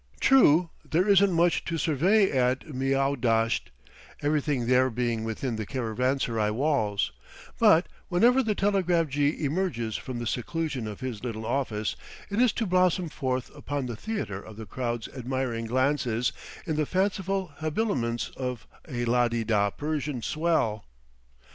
True, there isn't much to survey at Miaudasht, everything there being within the caravanserai walls; but whenever the telegraph jee emerges from the seclusion of his little office, it is to blossom forth upon the theatre of the crowd's admiring glances in the fanciful habiliments of a la de da Persian swell.